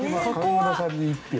上村さんに１票。